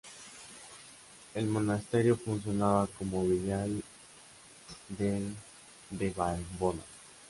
El monasterio funcionaba como filial del de Vallbona.